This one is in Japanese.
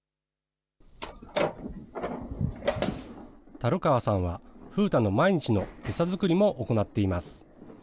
樽川さんは、風太の毎日の餌作りも行っています。